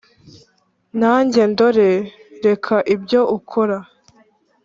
nanjye ndore reka ibyo ukora